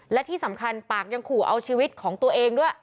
และที่สำคัญปากยังขู่เอาชีวิตของตัวเองด้วย